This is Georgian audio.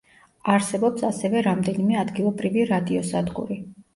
არსებობს ასევე რამდენიმე ადგილობრივი რადიოსადგური.